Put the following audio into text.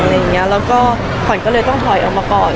แล้วก็ขวัญก็เลยต้องถอยออกมาก่อน